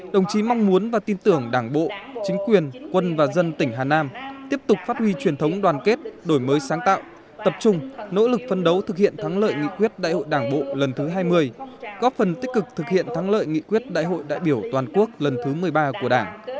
đồng chí mong muốn và tin tưởng đảng bộ chính quyền quân và dân tỉnh hà nam tiếp tục phát huy truyền thống đoàn kết đổi mới sáng tạo tập trung nỗ lực phân đấu thực hiện thắng lợi nghị quyết đại hội đảng bộ lần thứ hai mươi góp phần tích cực thực hiện thắng lợi nghị quyết đại hội đại biểu toàn quốc lần thứ một mươi ba của đảng